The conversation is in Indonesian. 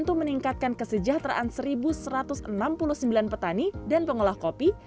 untuk meningkatkan kesejahteraan seribu satu ratus enam puluh sembilan petani dan pengolah kopi